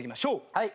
はい。